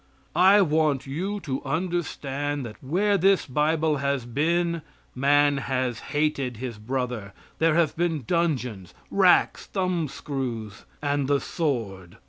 I want you to understand that where this Bible has been, man has hated his brother there have been dungeons, racks, thumbscrews, and the sword.